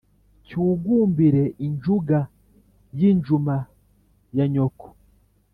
cyugumbire in junga y' injuma ya nyoko